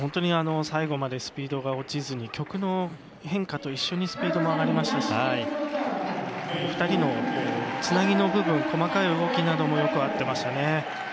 最後までスピードが落ちず曲の変化と一緒にスピードも上がりましたし２人のつなぎの部分細かい動きなどもよく合っていましたね。